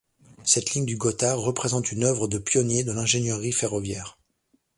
Cette ligne du Gothard représente une œuvre de pionnier de l’ingénierie ferroviaire.